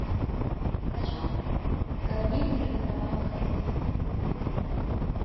Хачу, каб мне не пераставала хацецца.